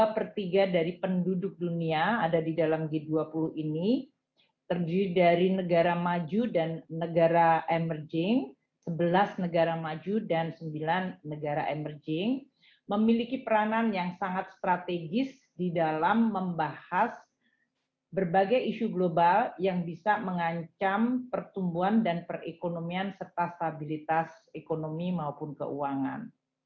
dua per tiga dari penduduk dunia ada di dalam g dua puluh ini terdiri dari negara maju dan negara emerging sebelas negara maju dan sembilan negara emerging memiliki peranan yang sangat strategis di dalam membahas berbagai isu global yang bisa mengancam pertumbuhan dan perekonomian serta stabilitas ekonomi maupun keuangan